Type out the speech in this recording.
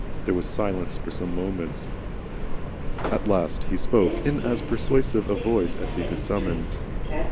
There was silence for some moments. At last he spoke in as persuasive a voice as he could summon.